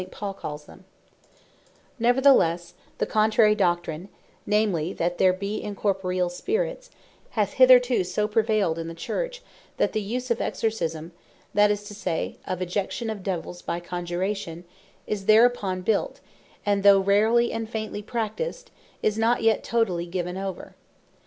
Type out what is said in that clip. The Power Of Casting Out Devills, Not The Same It Was In The Primitive Church Neverthelesse, the contrary Doctrine, namely, that there be Incorporeall Spirits, hath hitherto so prevailed in the Church, that the use of Exorcisme, (that is to say, of ejection of Devills by Conjuration) is thereupon built; and (though rarely and faintly practised) is not yet totally given over.